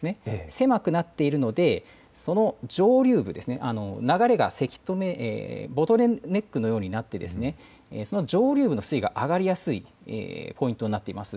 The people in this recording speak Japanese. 狭くなっているのでその上流部流れがせき止めボトルネックのようになってその上流部の水位が上がりやすいポイントになっています。